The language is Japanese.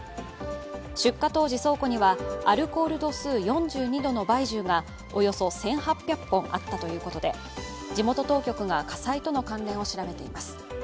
出火当時倉庫には、アルコール度数４２度の白酒がおよそ１８００本あったということで地元当局が火災との関連を調べています。